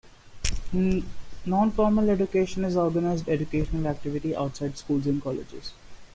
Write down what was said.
Non-formal education is organized educational activity outside schools and colleges.